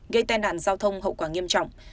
gây tai nạn giao thông hậu quả nghiêm trọng